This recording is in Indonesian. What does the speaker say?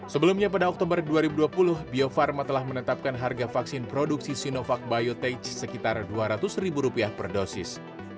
sebelumnya pada oktober dua ribu dua puluh bio farma telah menetapkan harga vaksin produksi sinovac biotage sekitar dua ratus ribu rupiah per dosis